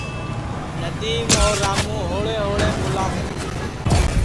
ندیم اور راموں ہوݪے ہوݪے ٻولا کرے